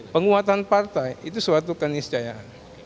penguatan partai itu suatu keniscayaan